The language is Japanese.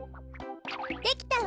できたわ！